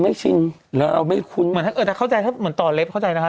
นี่เป็นนางแบบนะเขาไปให้ฟันเขาใหญ่มาน่า